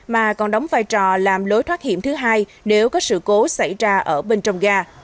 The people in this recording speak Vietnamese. mà còn đóng vai trò làm lối thoát hiểm thứ hai nếu có sự cố xảy ra ở bên trong ga